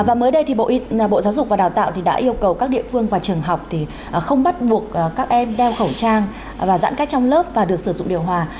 và mới đây thì bộ giáo dục và đào tạo đã yêu cầu các địa phương và trường học không bắt buộc các em đeo khẩu trang và giãn cách trong lớp và được sử dụng điều hòa